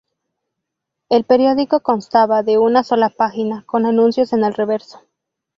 El periódico constaba de una sola página, con anuncios en el reverso.